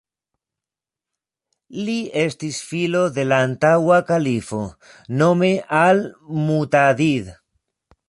Li estis filo de la antaŭa kalifo, nome al-Mu'tadid.